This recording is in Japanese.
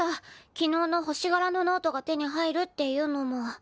昨日の星がらのノートが手に入るっていうのも。